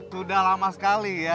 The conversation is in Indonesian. sudah lama sekali ya